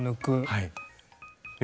はい。